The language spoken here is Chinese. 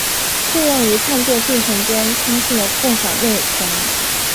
适用于创建进程间通信的共享内存。